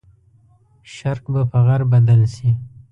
شرق به په غرب بدل شي.